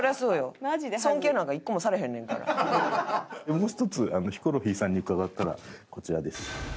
もう１つヒコロヒーさんに伺ったらこちらです。